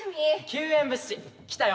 救援物資来たよ。